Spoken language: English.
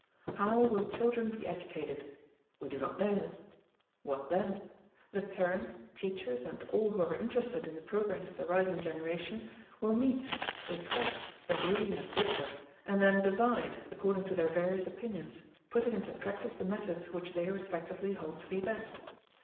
How will children be educated? We do not know. What then? The parents, teachers and all who are interested in the progress of the rising generation, will meet, discuss, agree and differ, and then divide according to their various opinions, putting into practice the methods which they respectively hold to be best.